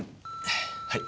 はい。